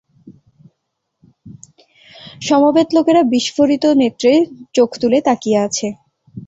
সমবেত লোকেরা বিস্ফোরিত নেত্রে চোখ তুলে তাকিয়ে আছে।